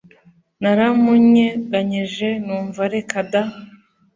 naramunyeganyeje numva reka da